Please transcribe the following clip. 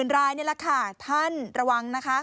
รายนี่แหละค่ะท่านระวังนะคะ